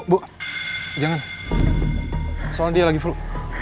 bu jangan soalnya dia lagi flu